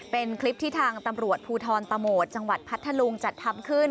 เป็นคลิปที่ทางตำรวจภูทรตะโหมดจังหวัดพัทธลุงจัดทำขึ้น